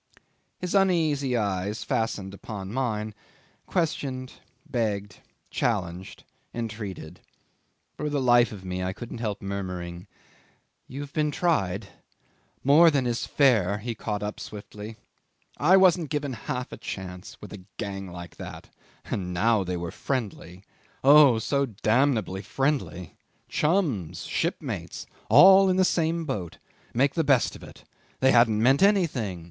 'His uneasy eyes fastened upon mine, questioned, begged, challenged, entreated. For the life of me I couldn't help murmuring, "You've been tried." "More than is fair," he caught up swiftly. "I wasn't given half a chance with a gang like that. And now they were friendly oh, so damnably friendly! Chums, shipmates. All in the same boat. Make the best of it. They hadn't meant anything.